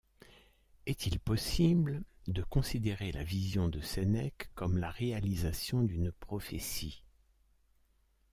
Est-il possible de considérer la vision de Sénèque comme la réalisation d’une prophétie?